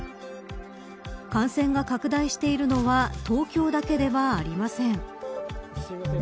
感染が拡大しているのは東京だけではありません。